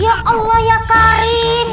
ya allah ya karim